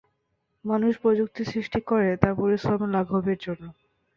মানুষ প্রযুক্তি সৃষ্টি করে তার পরিশ্রম লাঘবের জন্য।